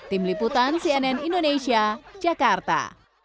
tim liputan cnn indonesia jakarta